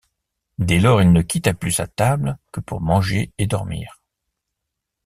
Dès lors il ne quitta plus sa table que pour manger et dormir.